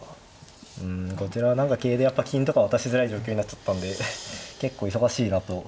うんこちらは何か桂でやっぱ金とか渡しづらい状況になっちゃったんで結構忙しいなと。